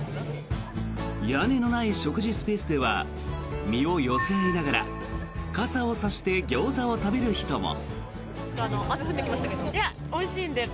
屋根のない食事スペースでは身を寄せ合いながら傘を差してギョーザを食べる人も。